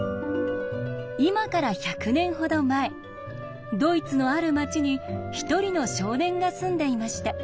今から１００年ほど前ドイツのある街に一人の少年が住んでいました。